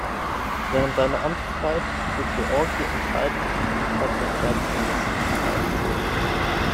Während seiner Amtszeit trug Georgi entscheidend zum Stadtbild Leipzigs bei.